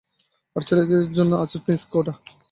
আর ছেলেদের জন্য আছে প্রিন্স কোট।